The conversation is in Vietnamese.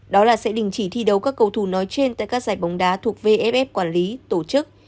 đó là sẽ đình chỉ thi đấu các cầu thủ nói trên tại các giải bóng đá thuộc vff quản lý tổ chức